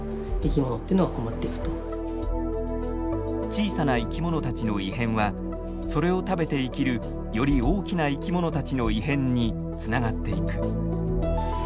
小さな生き物たちの異変はそれを食べて生きるより大きな生き物たちの異変につながっていく。